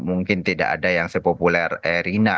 mungkin tidak ada yang menyebutnya bupati sleman pak ranggapannya pak